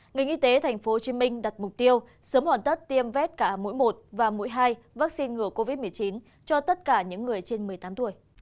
ngành y tế tp hcm đặt mục tiêu sớm hoàn tất tiêm vét cả mũi một và mũi hai vaccine ngừa covid một mươi chín cho tất cả những người trên một mươi tám tuổi